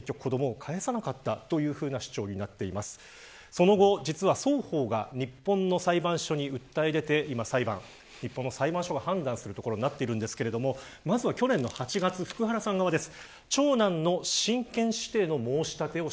その後、実は双方が日本の裁判所に訴え出て、今日本の裁判所が判断するところですがまずは去年の８月福原さん側です。